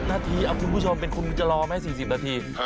นาทีคุณผู้ชมเป็นคุณจะรอไหม๔๐นาที